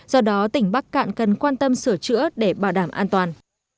do đó tỉnh bắc cạn cần quan tâm sửa chữa để bảo đảm an toàn